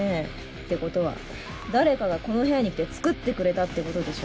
って事は誰かがこの部屋に来て作ってくれたって事でしょ？